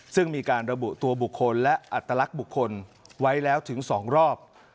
ซึ่งมีการระบุตัวบุคคลและอัตลักษณ์บุคคลไว้แล้วถึง๒รอบ